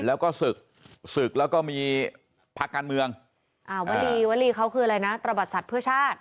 แล้วก็ศึกศึกแล้วก็มีพักการเมืองอ่าวลีวรีเขาคืออะไรนะตระบัดสัตว์เพื่อชาติ